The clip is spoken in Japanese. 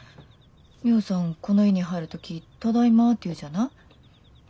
ミホさんこの家に入る時「ただいま」って言うじゃない？